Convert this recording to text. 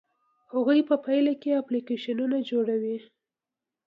هغوی په پایله کې اپلیکیشنونه جوړوي.